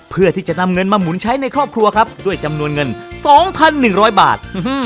เพื่อที่จะนำเงินมาหมุนใช้ในครอบครัวครับด้วยจำนวนเงิน๒๑๐๐บาท